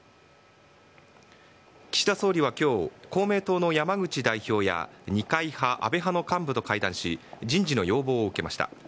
岸田総理は今日公明党の山口代表や二階派、安倍派の幹部と会談し人事の要望を受けました。